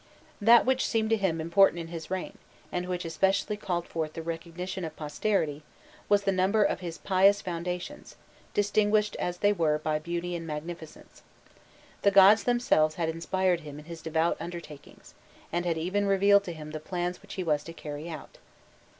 That which seemed to him important in his reign, and which especially called forth the recognition of posterity, was the number of his pious foundations, distinguished as they were by beauty and magnificence. The gods themselves had inspired him in his devout undertakings, and had even revealed to him the plans which he was to carry out.